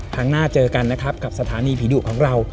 ครั้งหน้าเจอกันนะครับกับสถานีผีดุของเรา